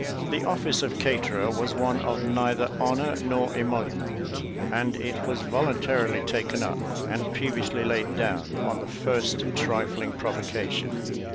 The office of caterer was one of neither honour nor emolument, and it was voluntarily taken up, and peevishly laid down, on the first trifling provocation.